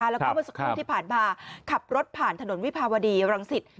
แล้วก็เมื่อสักครู่ที่ผ่านมาขับรถผ่านถนนวิภาวดีรังสิต